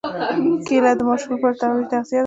کېله د ماشو لپاره طبیعي تغذیه ده.